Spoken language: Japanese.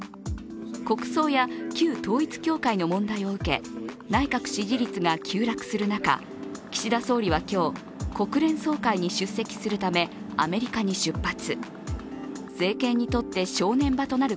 国葬や旧統一教会の問題を受け内閣支持率が急落する中、岸田総理は今日、国連総会に出席するためアメリカに出発。